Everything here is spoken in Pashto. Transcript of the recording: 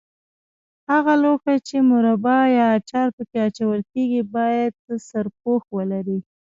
هغه لوښي چې مربا یا اچار په کې اچول کېږي باید سرپوښ ولري.